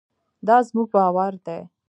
دا زموږ باور دی.